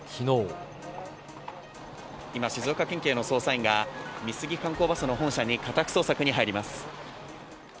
今、静岡県警の捜査員が、美杉観光バスの本社に家宅捜索に入ります。